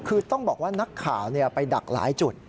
คือต้องบอกว่านักข่าวไปดักหลายจุด